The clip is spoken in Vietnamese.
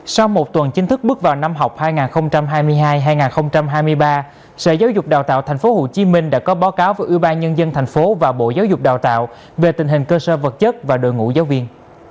sau một tuần chính thức bước vào năm học hai nghìn hai mươi hai hai nghìn hai mươi ba sở giáo dục đào tạo tp hcm đã có báo cáo với ủy ban nhân dân tp và bộ giáo dục đào tạo về tình hình cơ sở vật chất và đội ngũ giáo viên